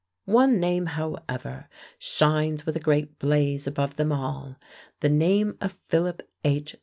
One name, however, shines with a great blaze above them all, the name of Philip H.